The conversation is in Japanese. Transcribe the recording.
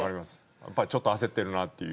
やっぱりちょっと焦ってるなっていう。